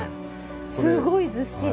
すごいずっしり。